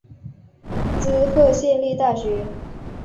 滋贺县立大学